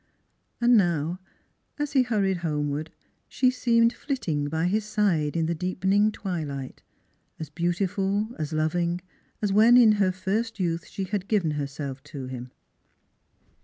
And now, as he hurried homeward, she seemed flitting by his side in the deepening twilight, as beautiful, as loving, as when in her first youth she had given herself to him.